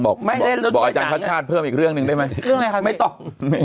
บอกอาจารย์สตร์ภัชนาดเพิ่มอีกเรื่องนึงได้มั้ยไม่ต้อง